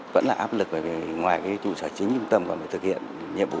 vẫn là áp lực ngoài chủ sở chính trung tâm còn thực hiện nhiệm vụ